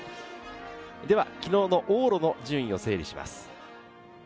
では昨日の往路の順位を整理します。